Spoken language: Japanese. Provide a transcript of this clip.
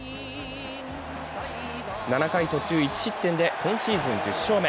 ７回途中１失点で今シーズン１０勝目。